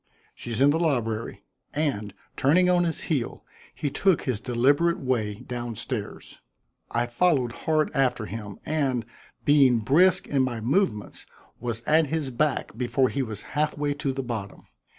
"She's in the library." And, turning on his heel, he took his deliberate way down stairs. I followed hard after him, and, being brisk in my movements, was at his back before he was half way to the bottom.